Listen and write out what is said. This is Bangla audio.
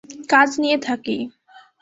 কাজ নিয়ে থাকি।